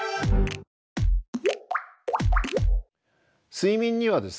睡眠にはですね